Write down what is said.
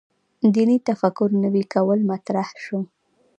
دیني تفکر نوي کول مطرح شو.